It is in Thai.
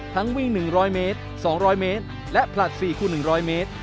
วิ่ง๑๐๐เมตร๒๐๐เมตรและผลัด๔คูณ๑๐๐เมตร